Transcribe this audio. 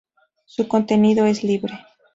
Su contenido es libre.